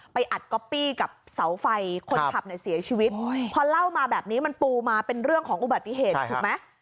อัดก๊อปปี้กับเสาไฟคนขับเนี่ยเสียชีวิตพอเล่ามาแบบนี้มันปูมาเป็นเรื่องของอุบัติเหตุถูกไหม